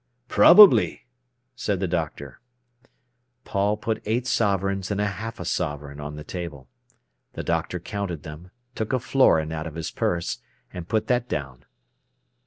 "Probably," said the doctor. Paul put eight sovereigns and half a sovereign on the table. The doctor counted them, took a florin out of his purse, and put that down.